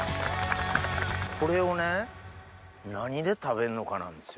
これをね何で食べんのかなんですよ。